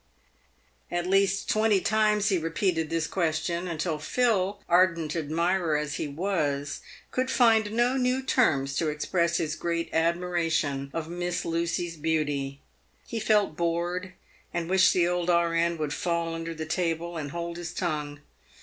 At least twenty times he repeated this question, until Phil, ardent admirer as he was, could find no new terms to ex press his great admiration of Miss Lucy's beauty. He felt bored, and wished the old R.N. would fall under the table and hold his tongue.